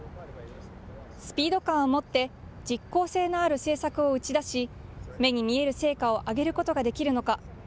スピード感をもって実効性のある政策を打ち出し、目に見える成果を上げることができるのか。